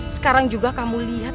sekarang juga kamu lihat